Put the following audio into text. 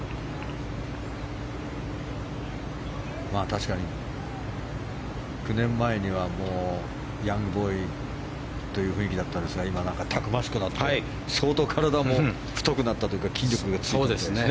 確かに、９年前にはヤングボーイという雰囲気だったんですが今、たくましくなって相当、体も太くなったというか筋力がついた気がしますね。